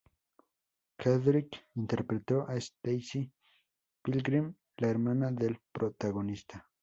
Kendrick interpretó a "Stacey Pilgrim", la hermana del protagonista.